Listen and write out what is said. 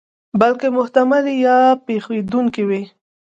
بلکې محتملې یا پېښېدونکې وي.